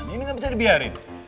ini gak bisa dibiarin